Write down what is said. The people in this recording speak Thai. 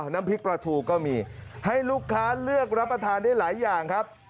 น้ำพริกปลาทูก็มีให้ลูกค้าเลือกรับประทานได้หลายอย่างครับ